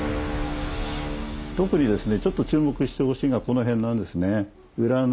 特にですねちょっと注目してほしいのはこの辺なんですね。